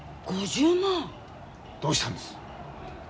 どうしたんです？